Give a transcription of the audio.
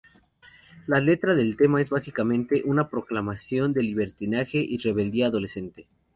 La letra del tema es básicamente una proclamación de libertinaje y rebeldía adolescente.